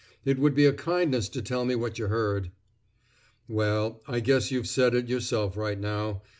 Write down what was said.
It would be a kindness to tell me what you heard." "Well, I guess you've said it yourself right now.